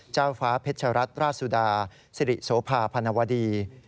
เจ้าฟ้าเผชรัตรราชสุดาสีสุพาพันวดี